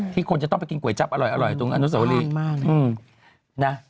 ที่คนต้องไปกินกล่วยจับอร่อยตรงนั้น